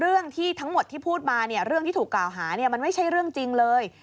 เรื่องที่ทั้งหมดที่พูดมาเนี่ยเรื่องที่ถูกกล่าวหามันไม่ใช่เรื่องจริงเลย